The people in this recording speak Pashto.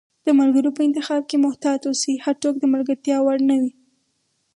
د ملګرو په انتخاب کښي محتاط اوسی، هرڅوک د ملګرتیا وړ نه وي